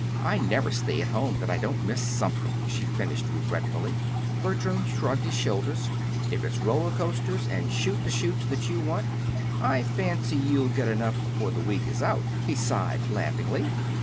I never stay at home that I don't miss something," she finished regretfully. Bertram shrugged his shoulders. "If it's Roller coasters and Chute the chutes that you want, I fancy you'll get enough before the week is out," he sighed laughingly.